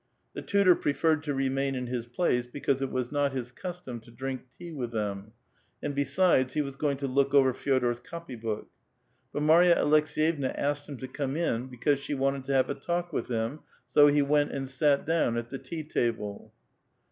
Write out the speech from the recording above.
The tutor preferred to remain in his place, because it was not his custom to drink tea with them, and besides, he was going to look over Fe6dor's copy book ; but Marya Aleks6vevna asked him to come in because she wanted to have a talk with him ; so he went and sat down at the tea table.